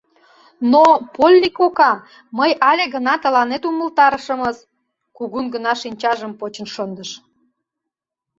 — Но, Полли кокай, мый але гына тыланет умылтарышымыс! — кугун гына шинчажым почын шындыш.